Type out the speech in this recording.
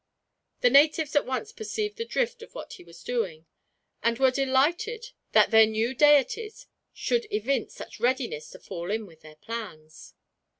The natives at once perceived the drift of what he was doing, and were delighted that their new deities should evince such readiness to fall in with their plans.